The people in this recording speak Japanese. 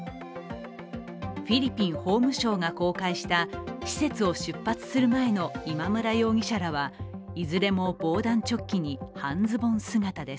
フィリピン法務省が公開した施設を出発する前の今村容疑者らはいずれも防弾チョッキに半ズボン姿です。